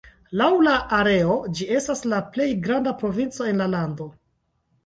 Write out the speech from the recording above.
Laŭ la areo ĝi estas la plej granda provinco en la lando.